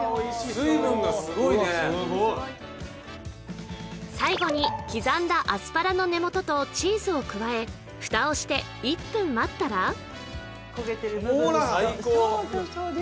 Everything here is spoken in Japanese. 水分がすごいね最後に刻んだアスパラの根元とチーズを加え蓋をして１分待ったら焦げてるのどうですか？